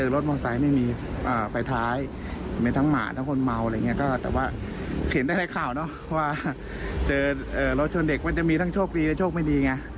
รถชนเด็กมันจะมีทั้งโชคดีและโชคไม่ดีไง